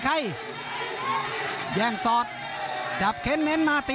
ภูตวรรณสิทธิ์บุญมีน้ำเงิน